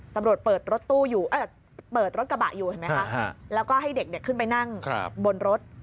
ตำรวจเปิดรถกระบะอยู่แล้วก็ให้เด็กขึ้นไปนั่งบนรถ